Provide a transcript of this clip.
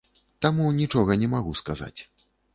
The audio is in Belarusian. Таму нічога не магу сказаць.